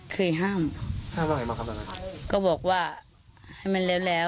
ห้ามห้ามว่าไงบ้างครับตอนนั้นก็บอกว่าให้มันแล้ว